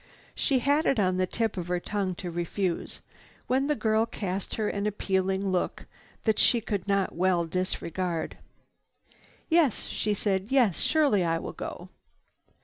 She had it on the tip of her tongue to refuse, when the girl cast her an appealing look that she could not well disregard. "Yes," she said, "yes, surely I will go."